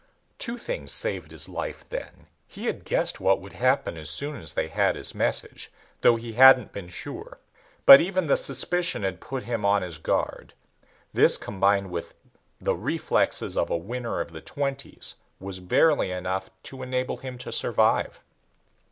Two things saved his life then. He had guessed what would happen as soon as they had his message, though he hadn't been sure. But even the suspicion had put him on his guard. This, combined with the reflexes of a Winner of the Twenties, was barely enough to enable him to survive.